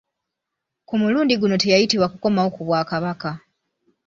Ku mulundi guno teyayitibwa kukomawo ku Bwakabaka.